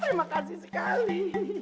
terima kasih sekali